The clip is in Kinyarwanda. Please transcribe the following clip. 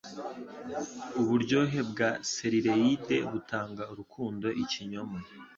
Uburyohe bwa selileide butanga urukundo ikinyoma.